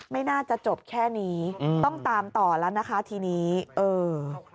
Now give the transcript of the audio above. ไม่น่าจะจบแค่นี้อืมต้องตามต่อแล้วนะคะทีนี้เออ